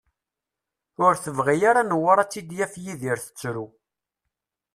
Ur tebɣi ara Newwara ad tt-id-yaf Yidir tettru.